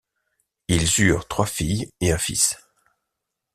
Ils eurent trois filles et un fils.